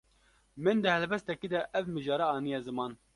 Min di helbestekî de ev mijara aniye ziman.